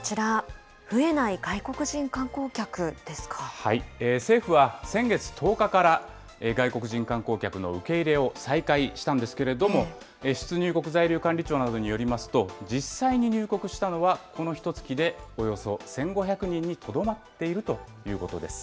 さて、こちら、政府は先月１０日から、外国人観光客の受け入れを再開したんですけれども、出入国在留管理庁などによりますと、実際に入国したのは、このひとつきでおよそ１５００人にとどまっているということです。